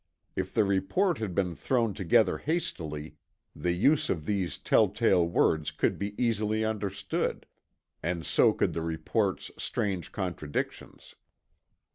If the report had been thrown together hastily, the use of these telltale words could be easily understood, and so could the report's strange contradictions.